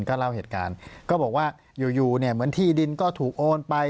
ก็เล่าเหตุการณ์ก็บอกว่าอยู่เนี่ยเหมือนที่ดินก็ถูกโอนไป